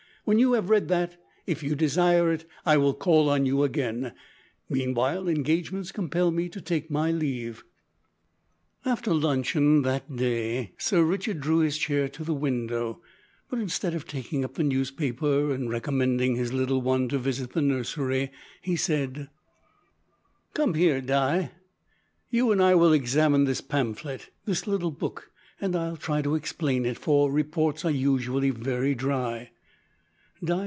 When you have read that, if you desire it, I will call on you again. Meanwhile engagements compel me to take my leave." After luncheon, that day, Sir Richard drew his chair to the window, but instead of taking up the newspaper and recommending his little one to visit the nursery, he said: "Come here, Di. You and I will examine this pamphlet this little book and I'll try to explain it, for reports are usually very dry."